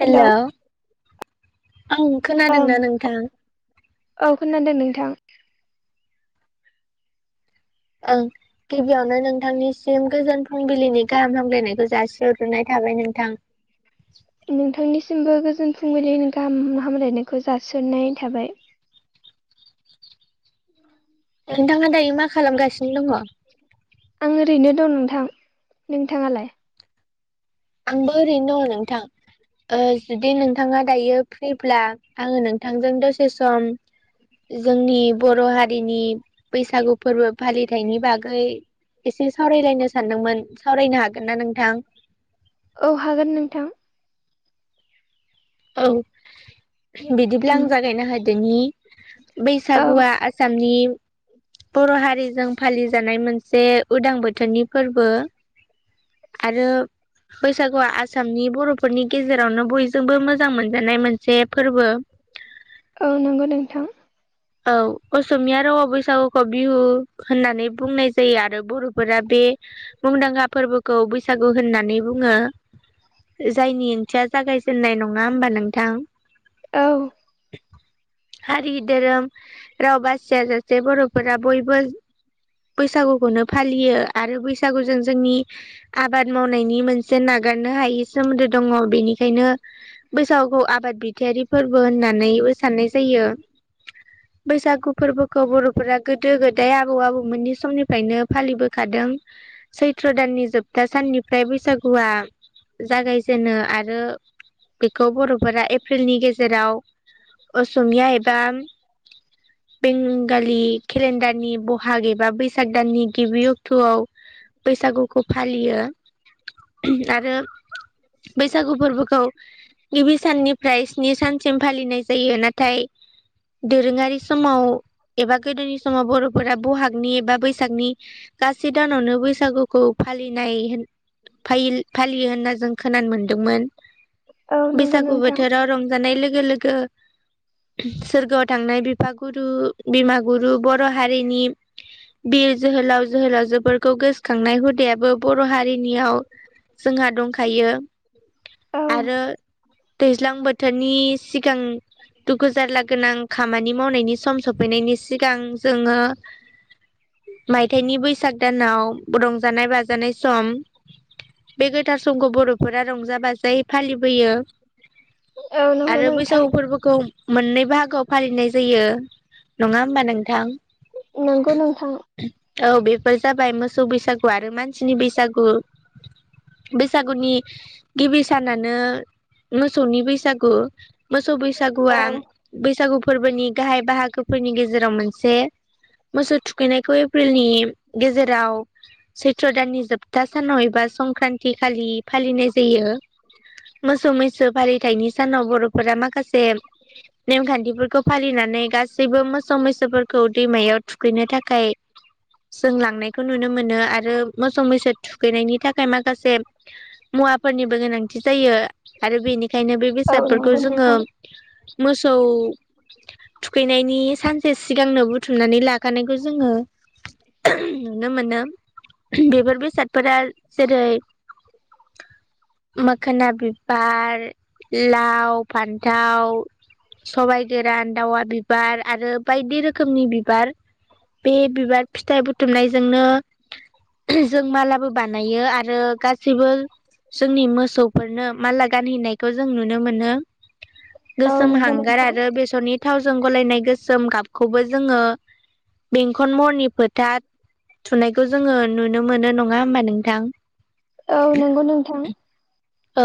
हेल' hello ओं ओं खोनादोंना नोंथां? औ खोनादो नोंथां। ओं। गिबियावनो नोंथांनिसिम गोजोन फुंबिलिनि गाहाम हामगलायनायखौ जासिहरग्रोनायखौ थाबाय नोंथां। नोंथांनिसिमबो गोजोन फुंबिलि गाहाम हामलायनायखौ जसिननाय थाबाय। नोंथाङा दायो मा खालामगासिनो दङ। आं ओरैनो दं नोंथां। नोंथाङालाय? आंबो ओरैनो दङ नोंथां। जुदि नोंथाङा दायो फ्रिब्ला आङो नोंथांजों दसे सम जोंनि बर' हारिनि बैसागु फोरबो फालिथायनि बागै एसे सावरायलायनो सानदोंमोन सावरायनो हागोन ना नोंथां औ हागोन नोंथां। औ बिदिब्ला उम आं जागायना होदोनि। औ बैसागुआ आसामनि बर' हारिजों फालिजानाय मोनसे उदां बोथोरनि फोरबो। आरो बैसागुआ आसामनि बर'फोरनि गेजेरावनो बयजोंबो मोजां मोजां मोनजानाय मोनसे फोरबो। औ नंगौ नोंथां। औ असमिया रावाव बैसागुखौ बिहु होननानै बुंनाय जायो आरो बर'फोरा बे मुंदांखा फोरबोखौ बैसागु होननानै बुङो। जायनि ओंथिया जागायजेननाय नङा होमबा नोंथां। औ। हारि, धोरोम राव बासिया जासे बर'फोरा बयबो बैसागुखौनो फालियो आरो बैसागुजों जोंनि आबाद मावनायनि मोनसे नागारनो हायि सोमोन्दो दङ। बेनिखायनो बैसागखौ आबाद बिथायारि फोरबो होननानैबो साननाय जायो। बैसागु फोरबोखौ बर'फोरा गोदो गोदाय आबौ आबौमोननि समनिफ्रायनो फालिबोखादों। सैथ्र' दाननि जोबथा साननिफ्राय बैसागुआ जागायजेनो आरो बेखौ बर'फोरा एप्रिलनि गेजेराव असमिया एबा बेंगलि केलेन्डारनि बहाग एबा बैसाग दाननि गिबियाव बथ'आव बैसागुखौ फालियो आरो बैसागु फोरबोखौ गिबि साननिफ्राय स्नि सानसिम फालिनाय जायो। नाथाय दोरोङारि समाव एबा गोदोनि समाव बर'फोरा बहागनि एबा बैसागनि गासै दानावनो बैसागुखौ फालिनाय फालियो होनना जों खोनानो मोनदोंमोन। औ नंगौ बैसागु नोंथां बोथोराव रं नाय लोगो लोगो सोरग थांनाय बिफा गुरु बिमा गुरु बर' हारिनि बिर जोहोलाव जोहोलावजोफोरखौ गोसो खांनाय हुदायाबो बर' हारिनियाव जोंहा दंखायो। औ आरो दैज्लां बोथोरनि सिगां दुखु जारला गोनां खामानि मावनायनि सम सफैनायनि सिगां जोङो मायथायाइनि बैसाग दानाव रंजानाय बाजानाय सम बे गोथार समखौ बर'फोरा रंजा बाजायै फालिबोयो औ नंगौ आरो नोंथां बैसागु फोरबोखौ मोननै बाहागोआव फालिनाय जायो नङा होमबा नोंथां। नंगौ नोंथां। औ बेफोर जाबाय मोसौ बैसागु आरो मानसिनि बैसागु। बैसागुनि गिबि सानानो मोसौनि बैसागु। मोसौ औ बैसागुआ बैसागु फोरबोनि गाहाइ बाहागोफोरनि गेजेराव मोनसे। मोसौ थुखैनायखौ एप्रिलनि गेजेराव सैत्र दाननि जोबथा सानाव एबा संक्रान्ति खालि फालिनाय जायो। मोसौ मैसो फालिथायाइनि सानाव बर'फोरा माखासे नेमखान्थिफोरखौ फालिनानै गासैबो मोसौ मैसोफोरखौ दैमायाव थुखैनो थाखाय जों लांनायखौ नुनो मोनो आरो मोसौ मैसो थुखैनायनि थाखाय माखासे मुवाफोरनिबो गोनांथि जायो आरो बेनिखायनो बे औ बेसादफोरखौ नंगौ जोंङो। नोंथां मोसौ थुखैनायनि सानसे सिगांनो बुथुमनानै लाखानायखौ जोंङो। नुनो मोनो बेफोर बेसादफोरा जेरै - मोखोना बिबार लाव फान्थाव सबायाइ गोरान दावा बिबार आरो बायदि रोखोमनि बिबार बे बिबार फिथाइ बुथुमनायजोंनो जों मालाबो बानायो आरो गासिबो जोंनि मोसौफोरनो माला गानहैनाय जों नुनो मोनो औ गोसोम नंगौ हांगार नोंथां आरो बेसरनि थावजों गलायनाय गोसोम गाबखौबो जोंङो। बेंखन महरनि फोथार थुनायखौ जोंङो नुनो मोनो नंङा होमबा नोंथां औ नंगौ नोंथां औ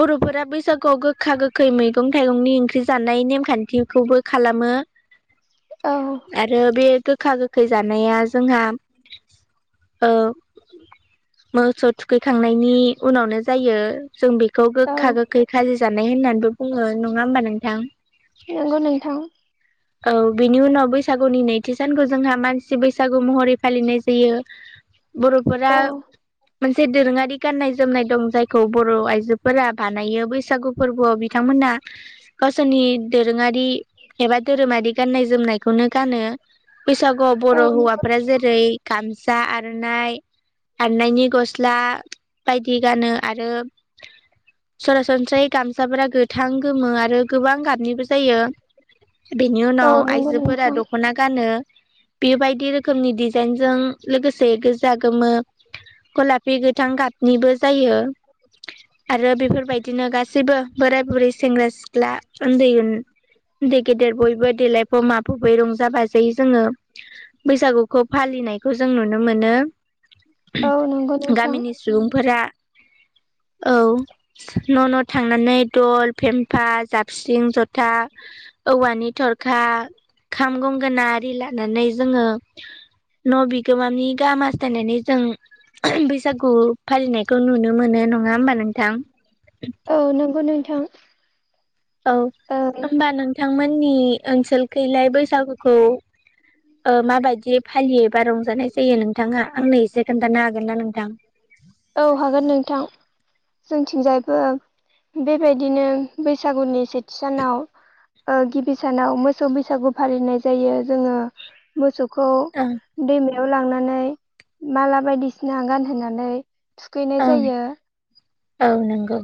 बर'फोरा बैसागुआव गोखा गोखै मैगं थाइगंनि ओंख्रि जानाय नेमखान्थिखौबो खालामो औ आरो बे गोखा गोखै जानाया जोंहा। ओ मोसौ थुखैखांनायनि उनावनो जायो। जों बेखौ औ गोखा गोखै खालि जानाय होननानैबो बुङो, नंङा होमबा नोंथां? नोंगौ नोंथां। औ बिनि उनाव बैसागुनि नैथि सानखौ जोंहा मानसि बैसागु महरै फालिनाय जायो। बर'फोरा। औ मोनसे दोरोङारि गाननाय जोमनाय दं जायखौ बर' आइजोफोरा बानायो बैसागु फोरबोआव बिथांमोना। गावसोरनि दोरोंङारि एबा। धोरोमारि गान्नाय जोमनायखौनो गानो बैसागुआव औ बर' हौवाफ्रा जेरै - गामसा आर'नाइ। आरनायनि गस्ला बायदि गानो आरो। सरासनस्रायै गामसाफोरा गोथां गोमो आरो गोबां गाबनिबो जायो। बेनि औ उनाव नंगौ आइजोफोरा नोंथां दख'ना गानो। बेबायदि रोखोमनि डिजाइनजों लोगोसे गोजा गोमो। गलापि गोथां गााथनिबो जायो। आरो बेफोरबायदिनो गासैबो बोराय बुरै सेंग्रा सिख्ला ओन्दै ओ गेदेर बयबो देलायफ माफबै रंजा बाजायो जोंङो। बैसागुखौ फालिनायखौ जों नुनो मोनो। औ नंगौ नोंथां गामिनि सुबुंफोरा औ। न' न' थांनानै दल, फेम्फा, जाबस्रिं, ज'था। औवानि थरखा, खाम, गंगोनाथ। लानानै जोंङो न' बिगोमानि गाहामासथायनानै जों। बैसागु फालिनायखौ नुनो मोनो नंङा होमबा नोंथां। औ नंगौ नोंथां। औ ओं होमबा नोंथांमोननि ओनसोलखैलाय बैसागुखौ। ओ माबायदि फालियोबा रंजानाय जायो नोंथांङा आंनो एसे खोन्थानो हागोन ना नोंथां? औ हागोन नोंथां। जोंथिंजायबो बेबायदिनो बैसागुनि सेथि सानाव। ओ गिबि सानाव मोसौ बैसागु फालिनाय जायो जोंङो। मोसौखौ ओं दैमायाव लांनानै माला बायदिसिना गानहोनानै। थुखैनाय ओं जायो। औ नंगौ।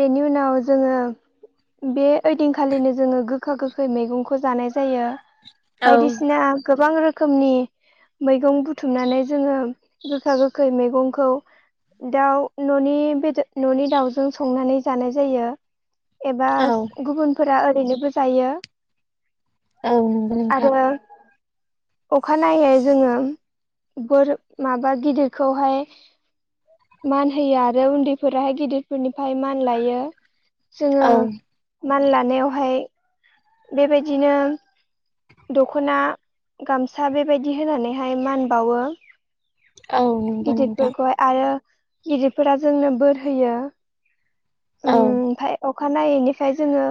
बेनि उनाव जोङो बे ओइदिंखालिनो जोङो गोखा-गोखै मैगंखौ जानाय जायो। औ बायदिसिना गोबां रो खोमनि मैगं बुथुमनानै जोङो गोखा-गोखै मैगंखौ दाउ न'नि बेद न'नि दाउजों संनानै जानाय जायो एबा औ गुबुनफोरा ओरैनोबो जायो। औ नोंगौ नोंथां। आरो अखानायै जोङो बोर माबा गिदिरखौहाय। मान होयो आरो उन्दैफोराहाय गिदि रफोरनिफ्राय मान लायो जोङो औ मान लानायावहाय बेबायदिनो दख'ना गामसा बेबायदि होनानैहाय मान बावो। औ नंगौ नोंथां गिदिरफोरखौ हाय आरो गिदिरफोरा जोंनो बोर होयो औ ओमफ्राय अखानायैनिफ्राय जोङो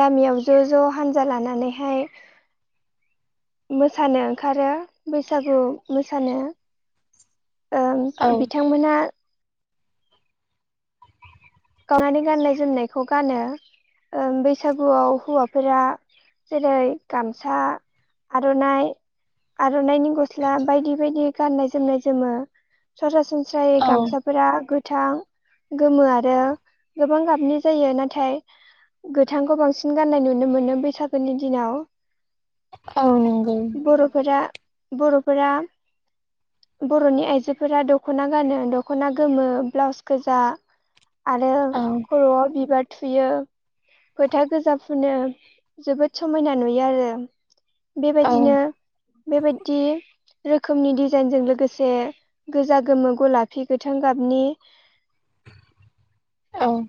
गामियाव ज' ज' हानजा लानानैहाय मोसानो ओंखारो बैसागु मोसानो ओं औ बिथांमोना गावनानै गाननाय जोमनायखौ गानो ओं बैसागुआव हौवाफोरा जेरै गामसा आर'नाइ आर'नाइनि गस्ला बायदि बायदि गाननाय-जोमनाय जोमो सरासनस्रायै औ गामसाफोरा गोथां, गोमो आरो गोबां गाबनि जायो नाथाय गोथांखौ बांसिन गाननाय नुनो मोनो बैसागोनि दिनाव औ नोंगौ बर'फोरा बर'फोरा बर'नि आइजोफोरा दख'ना गानो दख'ना गोमो ब्लाउस गोजा आरो औ खर'आव बिबार थुयो फोथा गोजा फुनो जोबोद समायना नुयो आरो औ बेबायदिनो बेबायदि रोखोमनि डिजाइनजों लोगोसे गोजा, गोमो, गलाफि, गोथां गाबनि औ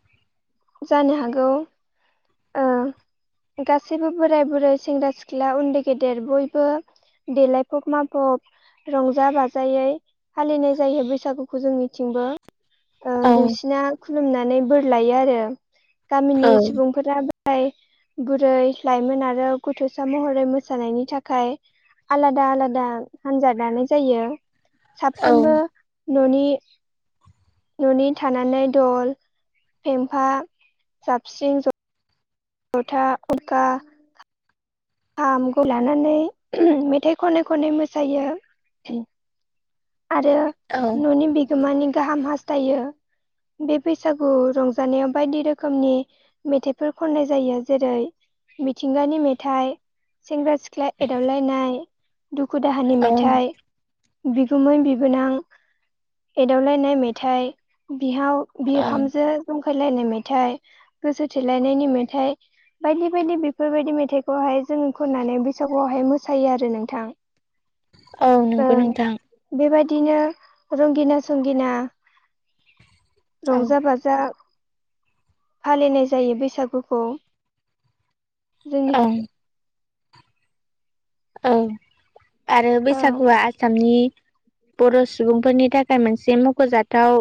जानो हागौ ओ गासैबो बोराय-बुरै सेंग्रा-सिख्ला उन्दै-गेदेर बयबो देलाय फब माफब रंजा-बाजायै फालिनाय जायो बैसागुखौ जोंनिथिंबो ओ औ दुइसिना खुलुमनानै बोर लायो आरो गामिनि सुबुंफोरा बोराय बुरै लाइमोन आरो गथ'सा महरै मोसानायनि थाखाय आलादा आलादा हान्जा दानाय जायो औ साफ्रोमबो न'नि न'नि थानानै दल फेमफा जाबख्रिं ज जथा खखा खाहामखौ लानानै मेथाइ खनै खनै मोसायो। आरो औ न'नि बिगोमानि गाहाम हास्थायो। बे बैसागु रंजानायाव बायदि रोखोमनि मेथाइफोर खननाय जायो जेरै मिथिंगानि मेथाइ सेंग्रा-सिख्ला एदावलायनाय दुखु दाहानि औ मेथाइ बिगुउमै बिबोनां एदावलायनाय मेथाइ बिहाव बिहामजो जंखायलायनाय मेथाइ गोसो थोलायनायनि मेथाइ बायदि बायदि बेफोरबायदि मेथाइखौहाय जों खननानै बैसागुआवहाय मोसायो आरो नोंथां। नंगौ औ नोंथां बेबायदिनो रंगिना संगिना औ रंजा बा जा फालिनाय जायो बैसागुखौ जोंनि ओं ओं आरो ओं बैसागुआ आसामनि बर' सुबुंफोरनि थाखाय मोनसे मख'जाथाव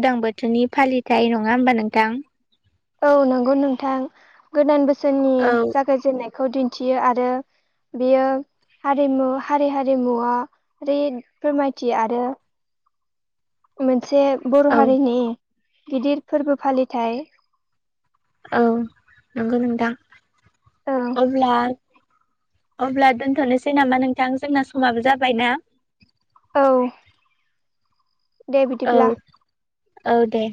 उदां बोथोरनि फालिथाइ नङा होमबा नोंथां? औ नंगौ नोंथां गोदान बोसोरनि औ जागायजेननायखौ दिन्थियो आरो बियो हारिमु हारि हारिमुवा ओरि फोरमायथि आरो मोनसे बर' औ हारिनि गिदिर फोरबो फालिथाय। औ नंगौ नोंथां औ अब्ला अब्ला दोनथ'नोसै नामा नोंथां जोंना समाबो जाबाय ना औ दे बिदिब्ला औ औ दे